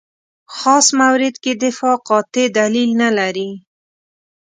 خاص مورد کې دفاع قاطع دلیل نه لري.